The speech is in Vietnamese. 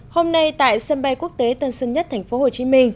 hôm nay tại sân bay quốc tế tân sơn nhất tp hcm